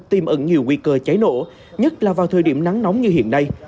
tiêm ẩn nhiều nguy cơ cháy nộ nhất là vào thời điểm nắng nóng như hiện nay